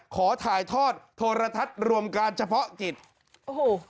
ขอถ่ายทอดโทรทัศน์รวมการเฉพาะกิจโอ้โห